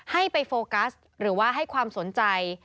ให้ไปโฟกัสหรือว่าให้ความสนใจ